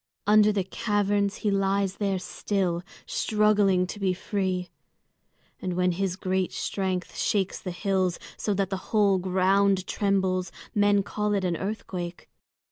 Under the caverns he lies there still, struggling to be free. And when his great strength shakes the hills so that the whole ground trembles, men call it an earthquake.